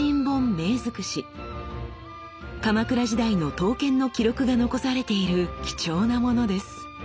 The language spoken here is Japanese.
鎌倉時代の刀剣の記録が残されている貴重な物です。